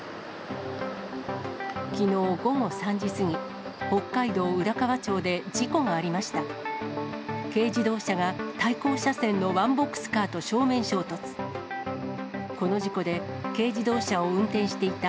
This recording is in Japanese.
きのう午後３時過ぎ、北海道浦河町で事故がありました。